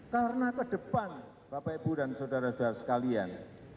karena ke depan bapak ibu dan saudara saudara sekalian